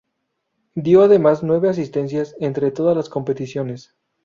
Dio además nueve asistencias entre todas las competiciones.